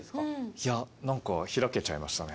いやなんか開けちゃいましたね。